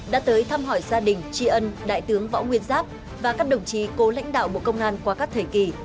đã tới thăm hỏi gia đình tri ân đại tướng võ nguyên giáp và các đồng chí cố lãnh đạo bộ công an qua các thời kỳ